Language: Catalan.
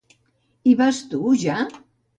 —Hi vas tu, ja?